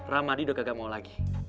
ramadi sudah tidak mau lagi